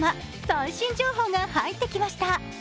最新情報が入ってきました。